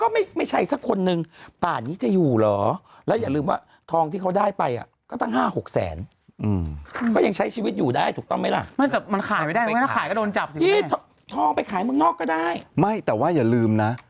ไม่แต่ว่าอย่าลืมนะ